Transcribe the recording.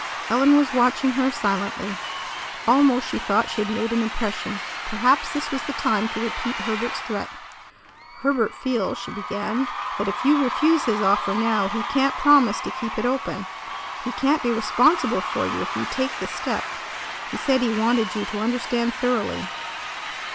Ellen was watching her silently. Almost she thought she had made an impression. Perhaps this was the time to repeat Herbert's threat. "Herbert feels," she began, "that if you refuse his offer now he can't promise to keep it open. He can't be responsible for you if you take this step. He said he wanted you to understand thoroughly."